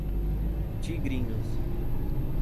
Tigrinhos